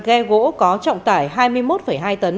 ghe gỗ có trọng tải hai mươi một hai tấn